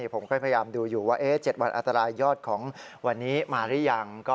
ผมก็พยายามดูอยู่ว่า๗วันอันตรายยอดของวันนี้มาหรือยัง